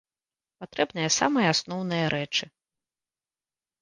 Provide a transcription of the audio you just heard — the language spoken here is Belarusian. Патрэбныя самыя асноўныя рэчы.